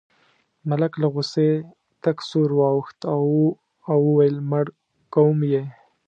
ملک له غوسې تک سور واوښت او وویل مړ کوم یې.